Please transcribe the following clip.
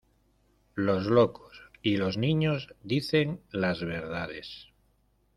Los locos y los niños dicen las verdades.